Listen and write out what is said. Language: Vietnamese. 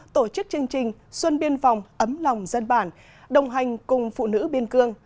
tổ chức chương trình xuân biên phòng ấm lòng dân bản đồng hành cùng phụ nữ biên cương